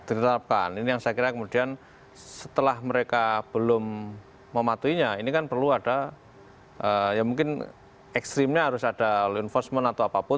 ditetapkan ini yang saya kira kemudian setelah mereka belum mematuhinya ini kan perlu ada ya mungkin ekstrimnya harus ada law enforcement atau apapun